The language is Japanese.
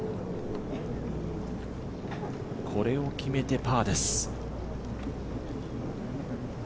これを決めてパーです。